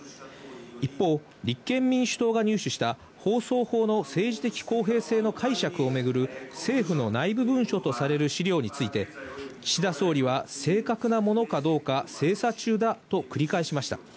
一方、立憲民主党が入手した放送法の政治的公平性の解釈をめぐる政府の内部文書とされる資料について、岸田総理は正確なものかどうか精査中だと繰り返しました。